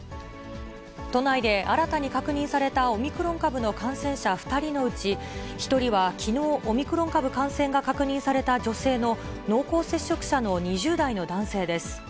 都内で新たに確認されたオミクロン株の感染者２人のうち、１人はきのうオミクロン株感染が確認された女性の濃厚接触者の２０代の男性です。